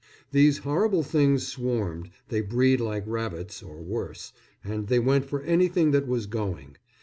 These horrible things swarmed they breed like rabbits, or worse and they went for anything that was going.